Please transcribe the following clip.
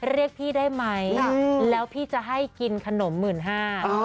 เรียกพี่ได้ไหมแล้วพี่จะให้กินขนมหมื่นห้า